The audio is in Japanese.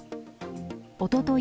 おととい